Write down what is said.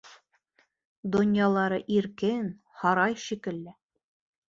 Донъялары иркен, һарай шикелле.